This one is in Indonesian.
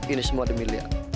ini semua demi lia